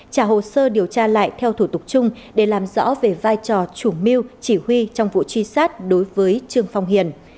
trả hồ sơ điều tra lại theo thủ tục chung để làm rõ về vai trò chủ mưu chỉ huy trong vụ truy sát đối với trương phong hiền